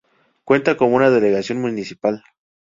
Cuenta con una delegación municipal.